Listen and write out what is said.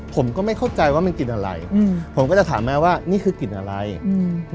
ผมก็ไม่เข้าใจว่ามันกลิ่นอะไรอืมผมก็จะถามแม่ว่านี่คือกลิ่นอะไรอืม